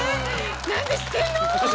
なんで知ってんの！